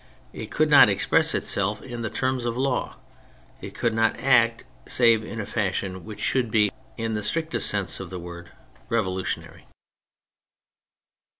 It could not express itself in the terms of law, it could not act save in a fashion which should be, in the strictest sense of the word, revolutionary.